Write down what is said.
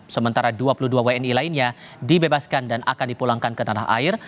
sementara dua puluh dua wni lainnya dibebaskan dan akan dipulangkan ke tanah air